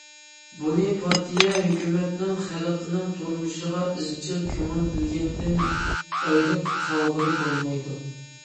بۇنى پارتىيە، ھۆكۈمەتنىڭ خەلقنىڭ تۇرمۇشىغا ئىزچىل كۆڭۈل بۆلگەنلىكىدىن ئايرىپ قارىغىلى بولمايدۇ.